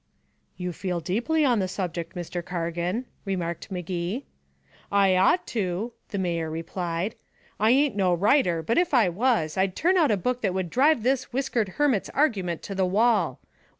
"You feel deeply on the subject, Mr. Cargan," remarked Magee. "I ought to," the mayor replied. "I ain't no writer, but if I was, I'd turn out a book that would drive this whiskered hermit's argument to the wall.